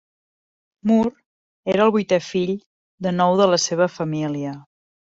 Moore era el vuitè fill de nou de la seva família.